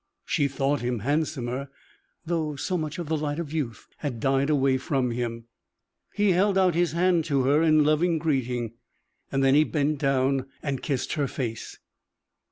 She thought him handsomer, though so much of the light of youth had died away from him. He held out his hand to her in loving greeting, then he bent down and kissed her face.